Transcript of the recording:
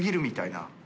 な